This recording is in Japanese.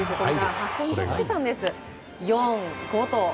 運んじゃってたんです４、５と。